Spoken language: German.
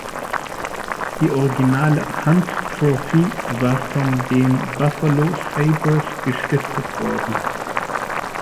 Die originale Hunt Trophy war von den Buffalo Sabres gestiftet worden.